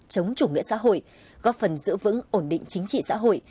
chống chủ nghĩa xã hội góp phần giữ vững ổn định chính trị xã hội